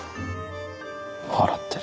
笑ってる。